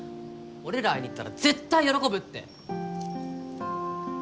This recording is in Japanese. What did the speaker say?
俺ら会いに行ったら絶対喜ぶって！